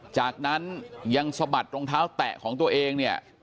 จากนั้นยังสะบัดรองเท้าแตะของตัวเองเนี่ย